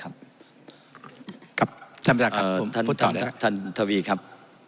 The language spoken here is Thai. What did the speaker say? ครับจำจากครับผมพูดต่อแหละครับท่านทวีครับ